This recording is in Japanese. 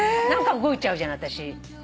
何か動いちゃうじゃないあたし。